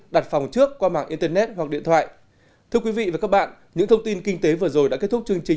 đặt phòng trước qua mạng internet hoặc điện thoại